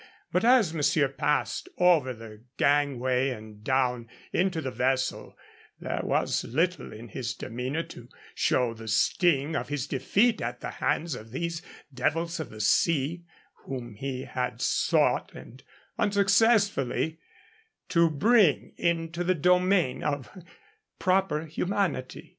And as monsieur passed over the gangway and down into the vessel there was little in his demeanor to show the sting of his defeat at the hands of these devils of the sea, whom he had sought, and unsuccessfully, to bring into the domain of a proper humanity.